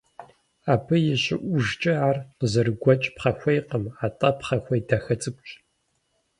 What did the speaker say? Абы и щӀыӀужкӀэ ар къызэрыгуэкӀ пхъэхуейкъым, атӀэ пхъэхуей дахэ цӀыкӀущ.